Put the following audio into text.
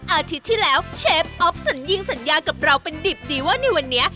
อาทิตย์ที่แล้วเชฟออฟสัญญิงสัญญากับเราเป็นดิบดีว่าในวันนี้